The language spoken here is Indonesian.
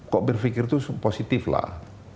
kok berpikir itu positif lah